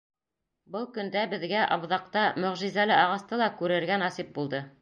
Был көндә беҙгә Абҙаҡта мөғжизәле ағасты ла күрергә насип булды.